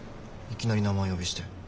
いきなり名前呼びして。